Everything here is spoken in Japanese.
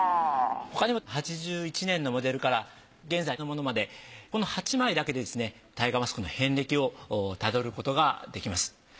他に８１年のモデルから現在のものまでこの８枚だけでですねタイガーマスクの遍歴をたどることができます。